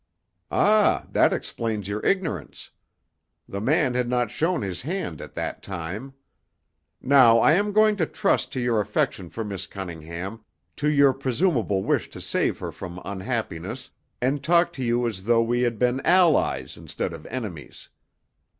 "Ah, that explains your ignorance. The man had not shown his hand at that time. Now I am going to trust to your affection for Miss Cunningham, to your presumable wish to save her from unhappiness, and talk to you as though we had been allies instead of enemies.